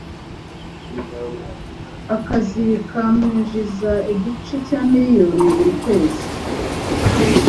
Akazi kamwinjiza igice cya miliyoni buri kwezi